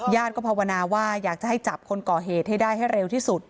ภาวนาว่าอยากจะให้จับคนก่อเหตุให้ได้ให้เร็วที่สุด